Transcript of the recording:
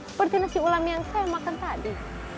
seperti nasi ulam yang saya makan tadi